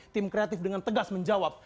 tim kreatif dengan tegas menjawab